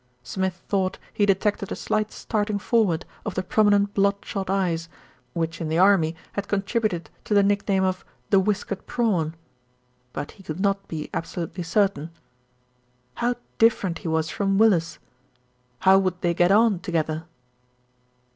Smith thought he detected a slight starting forward of the prominent blood shot eyes, which in the army had contributed to the nickname of "the whiskered prawn" ; but he could not be absolutely certain. How different he was from Willis. How would they get on together?